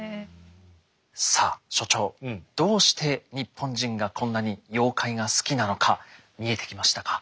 さあ所長どうして日本人がこんなに妖怪が好きなのか見えてきましたか？